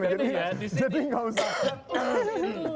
jadi nggak usah